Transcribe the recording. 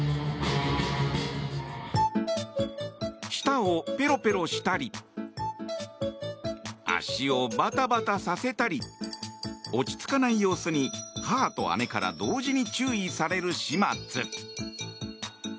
舌をペロペロしたり足をバタバタさせたり落ち着かない様子に母と姉から同時に注意される始末。